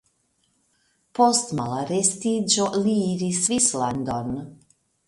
Post malarestiĝo li iris Svislandon.